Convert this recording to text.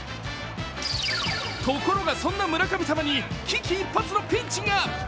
ところがそんな村神様に危機一髪のピンチが。